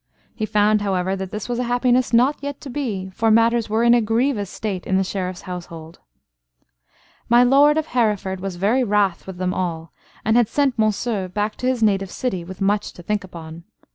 He found, however, that this was a happiness not yet to be, for matters were in a grievous state in the Sheriff's household. My lord of Hereford was very wrath with them all, and had sent Monceux back to his native city with much to think upon.